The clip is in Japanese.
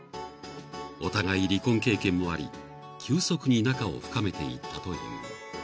［お互い離婚経験もあり急速に仲を深めていったという］